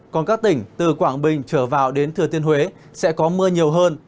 còn các tỉnh từ quảng bình trở vào đến thừa thiên huế sẽ có mưa nhiều hơn